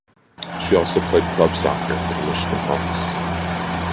She also played club soccer for the Michigan Hawks.